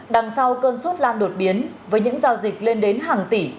đằng sau cơn sốt lan đột biến với những giao dịch lên đến hàng tỷ